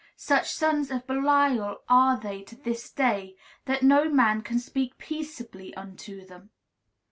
Such sons of Belial are they to this day that no man can speak peaceably unto them.